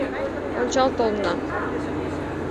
Ончал толына!